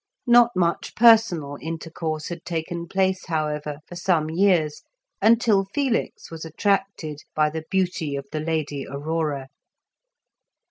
Not much personal intercourse had taken place, however, for some years, until Felix was attracted by the beauty of the Lady Aurora.